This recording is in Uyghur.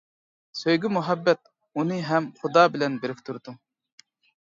سۆيگۈ-مۇھەببەت ئۇنى ھەم خۇدا بىلەن بىرىكتۈرىدۇ.